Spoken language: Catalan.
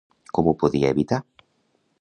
Com ho podia evitar?